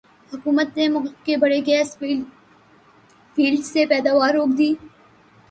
حکومت نے ملک کے بڑے گیس فیلڈز سے پیداوار روک دی